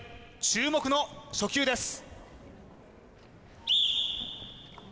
注目の初球です